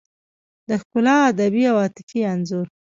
د ښکلا ادبي او عاطفي انځور